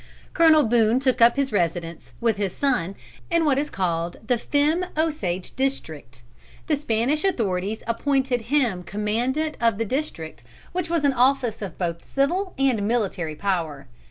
Colonel Boone took up his residence, with his son, in what is called the Femme Osage district. The Spanish authorities appointed him Commandant of the district, which was an office of both civil and military power.